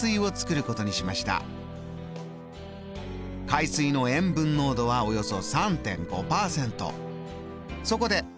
海水の塩分濃度はおよそ３．５％。